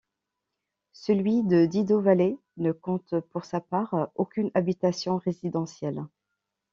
Celui de Dido Valley ne compte pour sa part aucune habitation résidentielle.